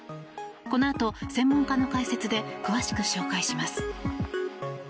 このあと専門家の解説で詳しくご紹介します。